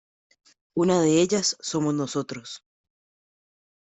una de ellas somos nosotros.